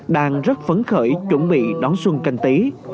đang rất phấn khởi chuẩn bị đón xuân canh tí